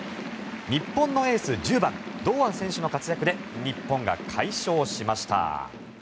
日本のエース、１０番堂安選手の活躍で日本が快勝しました。